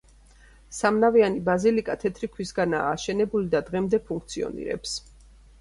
სამნავიანი ბაზილიკა თეთრი ქვისგანაა აშენებული და დღემდე ფუნქციონირებს.